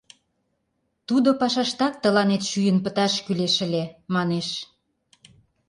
Тудо пашаштак тыланет шӱйын пыташ кӱлеш ыле, манеш.